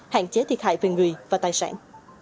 hạn chế thiệt hại về người và tài sản